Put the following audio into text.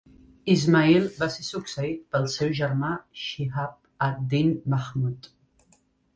Ismail va ser succeït pel seu germà Shihab ad-Din Mahmud.